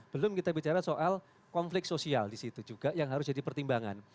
belum kita bicara soal konflik sosial di situ juga yang harus jadi pertimbangan